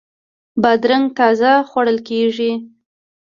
بادرنګ تازه خوړل کیږي.